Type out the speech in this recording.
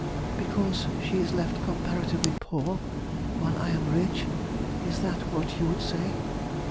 because she is left comparatively poor, while I am rich is that what you would say?